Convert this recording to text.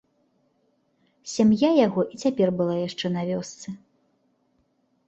Сям'я яго і цяпер была яшчэ на вёсцы.